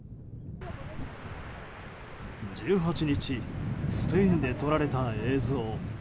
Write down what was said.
１８日スペインで撮られた映像。